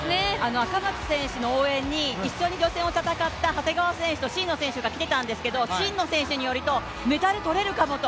赤松選手の応援に、一緒に予選を戦った選手が来ていたんですけれども真野選手によると、メダル取れるかもと。